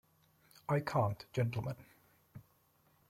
I can’t, gentlemen.